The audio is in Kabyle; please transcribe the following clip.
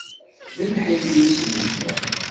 D lḥif i t-isnejlan.